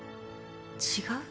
違う？